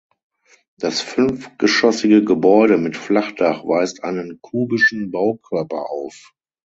Das fünfgeschossige Gebäude mit Flachdach weist einen kubischen Baukörper auf.